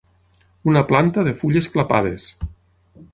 Una planta de fulles clapades.